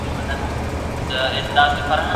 مرغۍ د اوبو په ډنډ کې د خپل برخلیک ننداره وکړه.